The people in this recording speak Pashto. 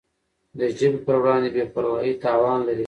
د ژبي پر وړاندي بي پروایي تاوان لري.